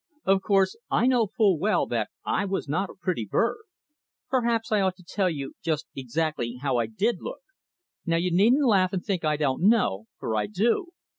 Of course, I know full well that I was not a pretty bird. Perhaps I ought to tell you just exactly how I did look. Now you needn't laugh and think I don't know, for I do.